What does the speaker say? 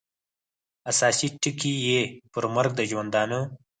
اساسي ټکي یې پر مرګ د ژوندانه